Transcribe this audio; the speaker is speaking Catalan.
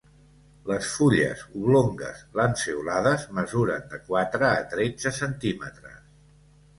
Les fulles oblongues lanceolades mesuren de quatre a tretze centímetres.